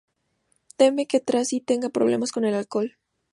Teme que Tracy tenga problemas con el alcohol.